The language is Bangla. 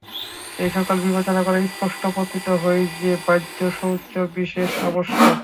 এই-সকল বিবেচনা করিয়া স্পষ্ট প্রতীত হয় যে, বাহ্য শৌচ বিশেষ আবশ্যক।